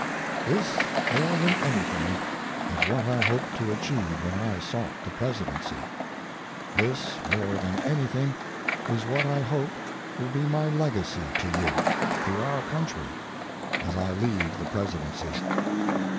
This, more than anything, is what I hoped to achieve when I sought the Presidency. This, more than anything, is what I hope will be my legacy to you, to our country, as I leave the Presidency.